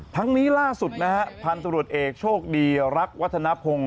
ทั้งนี้ล่าสุดนะฮะพันธุรกิจเอกโชคดีรักวัฒนภง